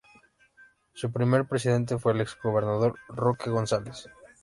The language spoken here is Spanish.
Su primer presidente fue el ex gobernador Roque González.